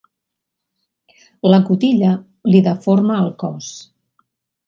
La cotilla li deforma el cos.